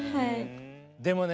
でもね